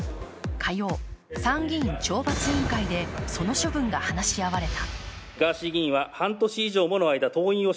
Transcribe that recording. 火曜、参議院・懲罰委員会でその処分が話し合われた。